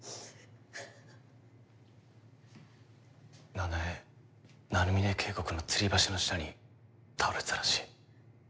奈々江鳴峰渓谷のつり橋の下に倒れてたらしい。